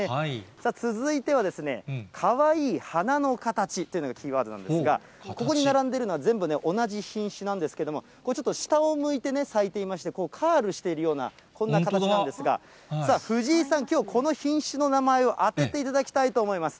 続いては、かわいい花の形というのが、キーワードなんですが、ここに並んでるのは全部同じ品種なんですけれども、ちょっと下を向いて咲いていまして、カールしているような、こんな形なんですが、藤井さん、きょうこの品種の名前を当てていただきたいと思います。